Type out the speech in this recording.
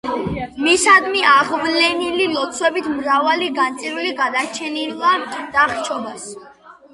მისდამი აღვლენილი ლოცვებით მრავალი განწირული გადარჩენილა დახრჩობას.